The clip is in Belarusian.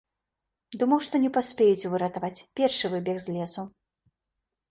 Думаў, што не паспеюць выратаваць, першы выбег з лесу.